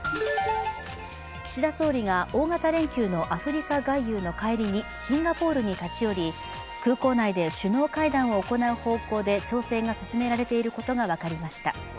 岸田総理が大型連休のアフリカ外遊の帰りにシンガポールに立ち寄り、空港内で首脳会談を行う方向で調整が進められていることが分かりました。